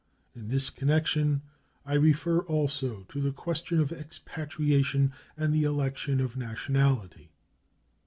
In this connection I refer also to the question of expatriation and the election of nationality.